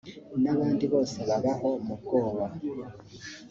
n’abandi bose babaho mu bwoba